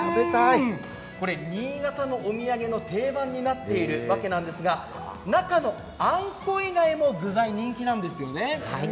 新潟のお土産の定番になっているわけなんですが、中のあんこ以外も具材、人気なんですよね。